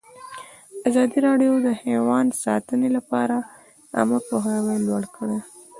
ازادي راډیو د حیوان ساتنه لپاره عامه پوهاوي لوړ کړی.